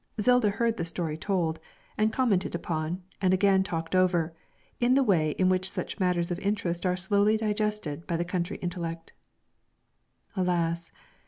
Zilda heard the story told, and commented upon, and again talked over, in the way in which such matters of interest are slowly digested by the country intellect. Alas!